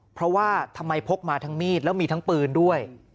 เพราะว่าทำไมพกมาทั้งมีดแล้วมีทั้งปืนด้วย